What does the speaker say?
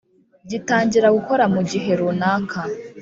gitangira gukora mu gihe runaka.